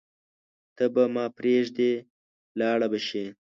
ته به ما پریږدې ولاړه به شې